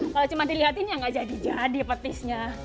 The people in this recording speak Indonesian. kalau cuma dilihatin ya nggak jadi jadi petisnya